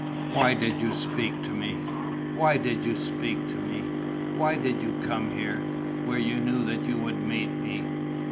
Why did you speak to me, why did you speak to me, why did you come here, where you knew that you would meet me?"